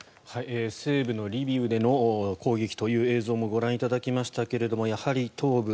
西部のリビウでの攻撃という映像もご覧いただきましたけれどもやはり東部